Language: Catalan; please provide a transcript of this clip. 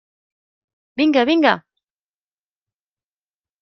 Vinga, vinga!